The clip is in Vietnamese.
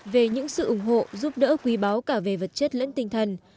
về những sự ủng hộ giúp đỡ quý báo cả về vật chất lẫn tinh thần